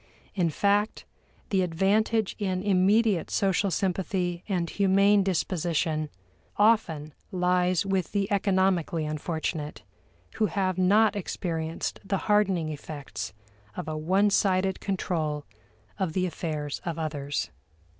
In fact, the advantage in immediate social sympathy and humane disposition often lies with the economically unfortunate, who have not experienced the hardening effects of a one sided control of the affairs of others.